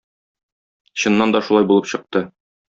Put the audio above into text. Чыннан да шулай булып чыкты.